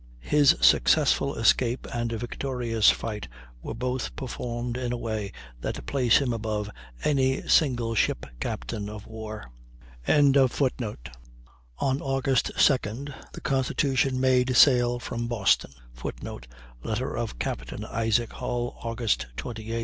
His successful escape and victorious fight were both performed in a way that place him above any single ship captain of war. On Aug. 2d the Constitution made sail from Boston [Footnote: Letter of Capt. Isaac Hull, Aug. 28, 1812.